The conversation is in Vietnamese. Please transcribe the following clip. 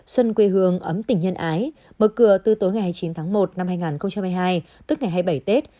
xuân quê hương ấm tỉnh nhân ái mở cửa từ tối ngày hai mươi chín tháng một năm hai nghìn hai mươi hai tức ngày hai mươi bảy tết